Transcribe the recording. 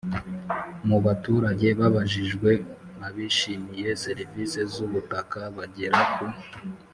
Mu baturage babajijwe abishimiye serivisi z ubutaka bagera ku